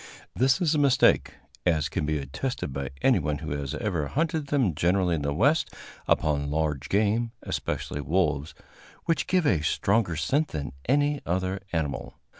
This is a mistake, as can be attested by anyone who has ever hunted them generally in the West upon large game, especially wolves, which give a stronger scent than any other animal.